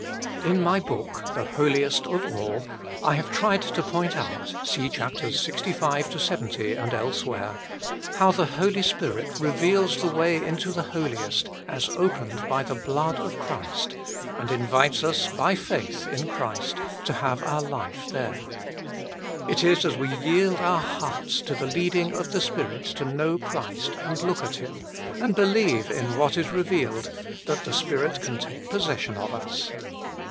In my book, The Holiest of All, I have tried to point out (see chaps. Ixv. Ixx., and elsewhere) how the Holy Spirit reveals the way into the Holiest as opened by the blood of Christ, and invites us by faith in Christ to have our life there. It is as we yield our hearts to the leading of the Spirit to know Christ and look at Him, and believe in what is revealed, that the Spirit can take possession of us.